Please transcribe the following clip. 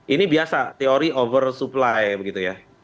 ini biasa teori oversupply begitu ya